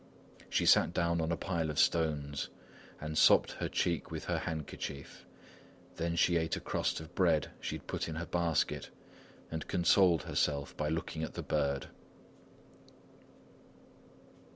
She sat down on a pile of stones, and sopped her cheek with her handkerchief; then she ate a crust of bread she had put in her basket, and consoled herself by looking at the bird.